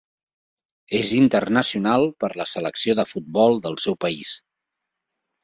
És internacional per la selecció de futbol del seu país.